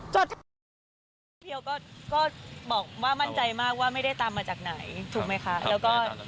เสื้อเหมือนคอกกระเช้าขากางเกงขายาว